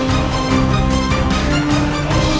mereka sudah mengakhiri